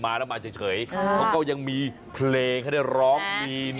มันขอเส่งด้วย